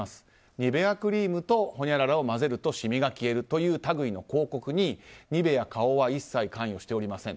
ニベアクリームと○○を混ぜるとシミが消えるという類の広告にニベア花王は一切関与しておりません。